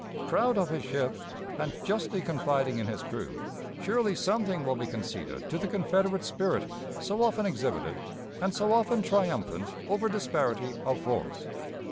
Proud of his ship, and justly confiding in his crew, surely something will be conceded to the Confederate spirit so often exhibited and so often triumphant over disparity of force.